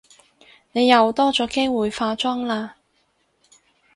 你又多咗機會化妝喇